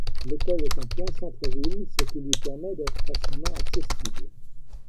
L'école est en plein centre-ville ce qui lui permet d’être facilement accessible.